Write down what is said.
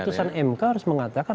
putusan mk harus mengatakan